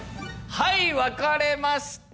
はい分かれました。